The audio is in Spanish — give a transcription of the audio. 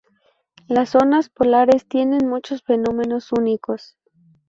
Las zonas polares tienen muchos fenómenos únicos.